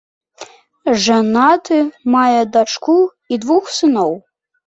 Жанаты, мае дачку і двух сыноў.